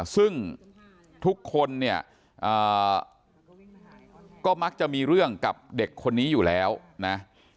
ซึ่งทุกคนเนี่ยก็มักจะมีเรื่องกับเด็กคนนี้อยู่แล้วนะ